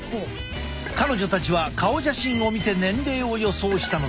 彼女たちは顔写真を見て年齢を予想したのだ。